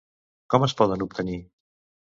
Com es poden obtenir?